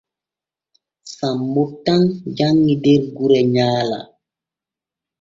Sammo tan janŋi der gure nyaala.